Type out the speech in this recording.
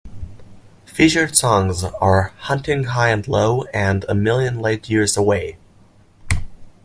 Featured songs are "Hunting High And Low" and "A Million Light Years Away".